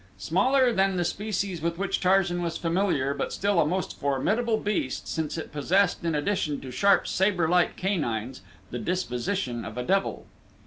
Smaller than the species with which Tarzan was familiar, but still a most formidable beast, since it possessed in addition to sharp saber like canines the disposition of a devil.